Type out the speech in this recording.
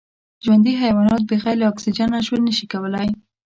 ژوندي حیوانات بغیر له اکسېجنه ژوند نشي کولای